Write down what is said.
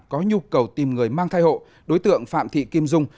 có nhu cầu tìm người mang thai hộ đối tượng phạm thị kim dung